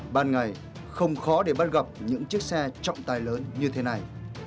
ban ngày không khó để bắt gặp những chiếc xe trọng tài lớn như thế này